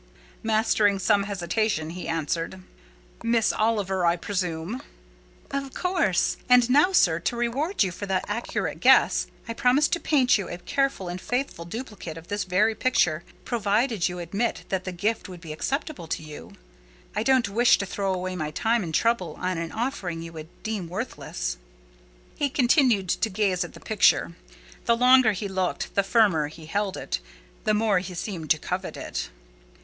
Mastering some hesitation, he answered, "Miss Oliver, I presume." "Of course. And now, sir, to reward you for the accurate guess, I will promise to paint you a careful and faithful duplicate of this very picture, provided you admit that the gift would be acceptable to you. I don't wish to throw away my time and trouble on an offering you would deem worthless." He continued to gaze at the picture: the longer he looked, the firmer he held it, the more he seemed to covet it.